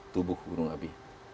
tubuh gunung api